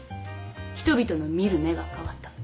人々の見る目が変わった。